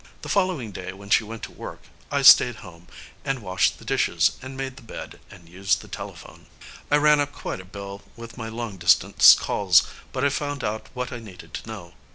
The following day, when she went to work, I stayed home and washed the dishes and made the bed and used the telephone. I ran up quite a bill with my long distance calls, but I found out what I needed to know.